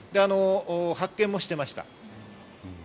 発券もしていました。